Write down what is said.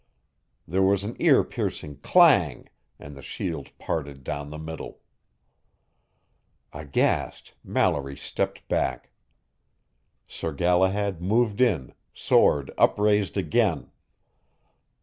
There was an ear piercing clang, and the shield parted down the middle. Aghast, Mallory stepped back. Sir Galahad moved in, sword upraised again.